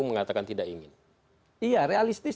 mengatakan tidak ingin iya realistis